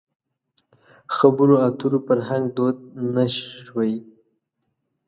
خبرو اترو فرهنګ دود نه شوی.